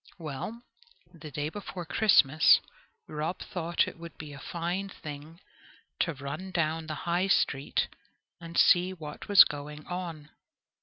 Well, the day before Christmas, Rob thought it would be a fine thing to run down the High Street and see what was going on.